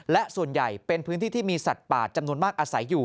และส่วนใหญ่เป็นพื้นที่ที่มีสัตว์ป่าจำนวนมากอาศัยอยู่